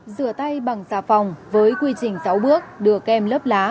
rửa tay bằng xà phòng với quy trình sáu bước đưa kem lớp lá